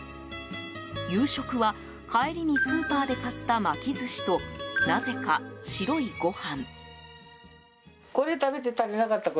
夕食は、帰りにスーパーで買った巻き寿司となぜか、白いご飯。